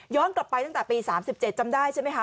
กลับไปตั้งแต่ปี๓๗จำได้ใช่ไหมคะ